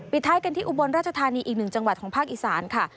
ปิดท้ายเกินที่อุบนราชธานีอีก๑จังหวัดของภาคอีสานค่ะ